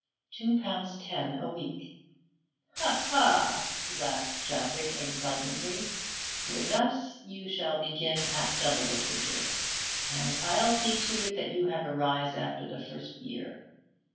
'Two pounds ten a week.' 'Ha, ha!' laughed Chadwick exultantly. 'With us you shall begin at double the figure, and I'll see to it that you have a rise after the first year.